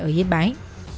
ở hiên bái